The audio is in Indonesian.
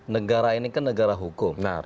negara ini kan negara hukum